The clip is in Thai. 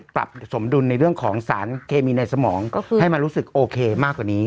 ปรับสมดุลในเรื่องของสารเคมีในสมองให้มันรู้สึกโอเคมากกว่านี้